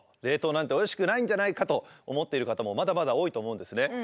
冷凍なんておいしくないんじゃないかと思っている方もまだまだ多いと思うんですね。